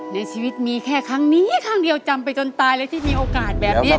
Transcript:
ในชีวิตมีแค่ครั้งนี้ครั้งเดียวจำไปจนตายเลยที่มีโอกาสแบบนี้